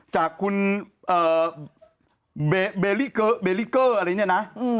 จากคุณเบลเบลิเกอร์อะไรเนี่ยนะ